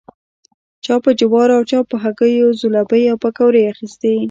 چا په جوارو او چا په هګیو ځلوبۍ او پیکوړې اخيستې.